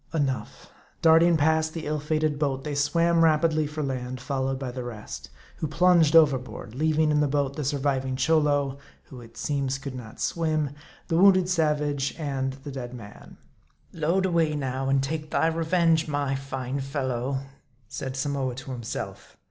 Enough : darting past the ill fated boat, they swam rap idly for land, followed by the rest ; who plunged overboard, leaving in the boat the surviving Cholo who it seems could not swim the wounded savage, and the dead man. "Load away now, and take thy revenge, my fine fellow," said Samoa to himself.